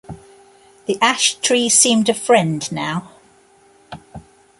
The ash-tree seemed a friend now.